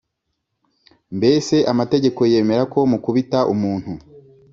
Mbese amategeko yemera ko mukubita umuntu